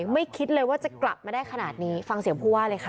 คิดเลยว่าจะกลับมาได้ขนาดนี้ฟังเสียงผู้ว่าเลยค่ะ